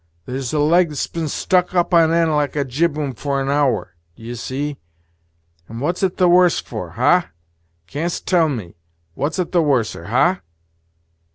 There's a leg that been stuck up on end like a jibboom for an hour, d'ye see, and what's it the worse for't, ha? canst tell me, what's it the worser, ha?"